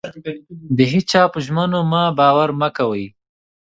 د هيچا په ژمنو مه باور مه کوئ.